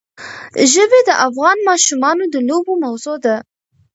ژبې د افغان ماشومانو د لوبو موضوع ده.